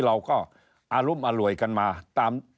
เราก็อารุมอร่วยกันมาตาม